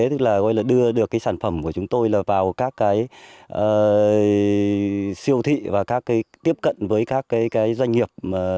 tức là đưa được sản phẩm của chúng tôi vào các siêu thị và tiếp cận với các doanh nghiệp